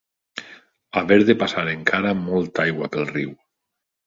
Haver de passar encara molta aigua pel riu.